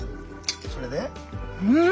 それで？ん！